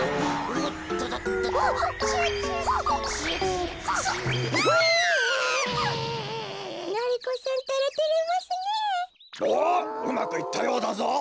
おっうまくいったようだぞ。